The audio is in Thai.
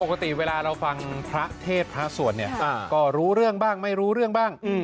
ปกติเวลาเราฟังพระเทพพระสวดเนี่ยก็รู้เรื่องบ้างไม่รู้เรื่องบ้าง